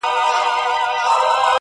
که مُلایان دي که یې چړیان دي,